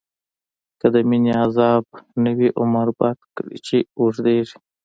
که د مینی عذاب نه وی، عمر بد کړی چی اوږدیږی